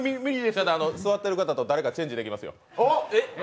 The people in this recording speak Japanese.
座ってる方と誰か、チェンジできますよ。